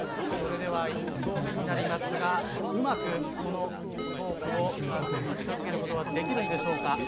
それでは１投目になりますがうまくこのソープをサークルに近づけることはできるのでしょうか？